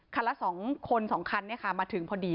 ละ๒คน๒คันมาถึงพอดี